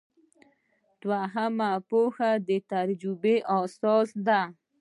دوهمه پوهه د تجربې په اساس ده.